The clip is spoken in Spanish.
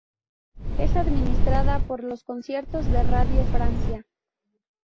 Es administrada por Los Conciertos de Radio Francia.